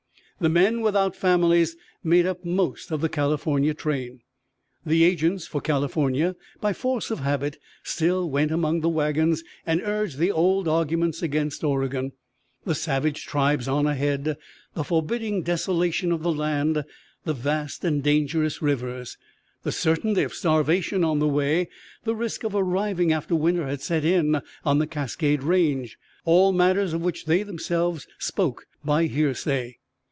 The men without families made up most of the California train. The agents for California, by force of habit, still went among the wagons and urged the old arguments against Oregon the savage tribes on ahead, the forbidding desolation of the land, the vast and dangerous rivers, the certainty of starvation on the way, the risk of arriving after winter had set in on the Cascade Range all matters of which they themselves spoke by hearsay.